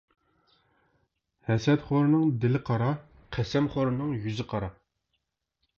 ھەسەتخورنىڭ دىلى قارا، قەسەمخورنىڭ يۈزى قارا.